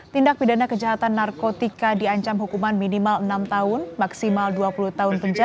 tindak pidana kejahatan narkotika diancam hukuman minimal enam tahun maksimal dua puluh tahun penjara